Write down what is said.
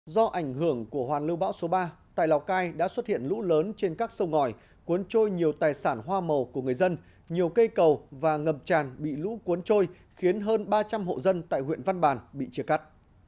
do ảnh hưởng của hoàn lưu bão số ba tại lào cai đã xuất hiện lũ lớn trên các sông ngòi cuốn trôi nhiều tài sản hoa màu của người dân nhiều cây cầu và ngập tràn bị lũ cuốn trôi khiến hơn ba trăm linh hộ dân tại huyện văn bàn bị chia cắt